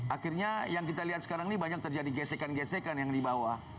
akhirnya yang kita lihat sekarang ini banyak terjadi gesekan gesekan yang dibawa